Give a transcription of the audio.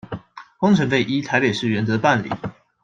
工程費依臺北市原則辦理